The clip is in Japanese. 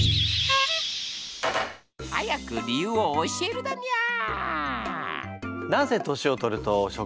早く理由を教えるだにゃー！